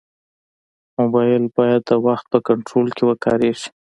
موبایل باید د وخت په کنټرول کې وکارېږي.